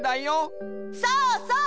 そうそう！